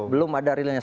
belum ada rilanya